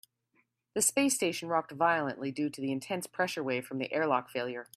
The space station rocked violently due to the intense pressure wave from the airlock failure.